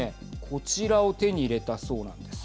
こちらを手に入れたそうなんです。